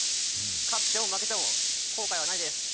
勝っても負けても後悔はないです。